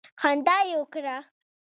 خندا یې وکړه.